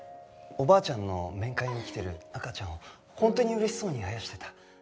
おばあちゃんの面会に来てる赤ちゃんを本当に嬉しそうにあやしてた。